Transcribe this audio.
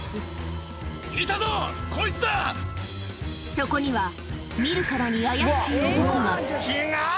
そこには見るからに怪しい男が違う！